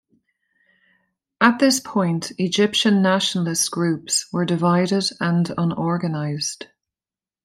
At this point, Egyptian nationalist groups were divided and unorganised.